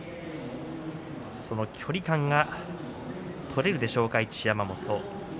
その距離感が取れるでしょうか